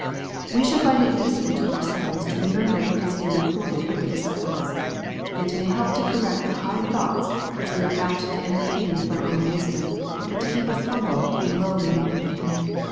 We shall find it useful to ourselves to remember what is here recorded of the disciples. It may help to correct the high thoughts which we are apt to entertain of our own wisdom, and to keep us humble and lowly minded.